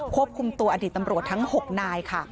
ควบคุมตัวอดีตตำรวจทั้ง๖นายค่ะ